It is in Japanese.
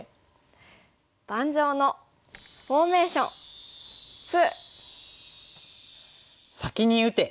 「盤上のフォーメーション２」。